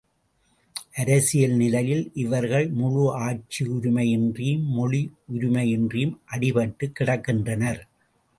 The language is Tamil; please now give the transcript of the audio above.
அரசியல் நிலையில் இவர்கள் முழு ஆட்சியுரிமையின்றியும், மொழி உரிமையின்றியும் அடிமைப்பட்டுக் கிடக்கின்றனர்.